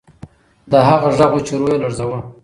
دا هغه غږ و چې روح یې لړزاوه.